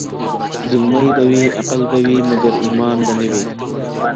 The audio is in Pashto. زلمي به وي- عقل به وي- مګر ایمان به نه وي-